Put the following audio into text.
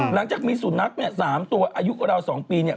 หลังจากมีสุนัขเนี่ย๓ตัวอายุราว๒ปีเนี่ย